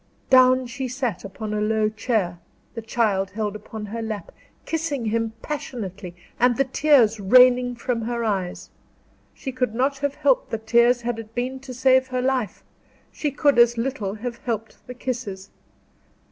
Down she sat upon a low chair, the child held upon her lap, kissing him passionately, and the tears raining from her eyes. She could not have helped the tears had it been to save her life; she could as little have helped the kisses.